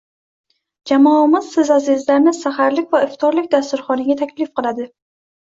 Jamoamiz siz azizlarni saharlik va iftorlik dasturxoniga taklif qiladi.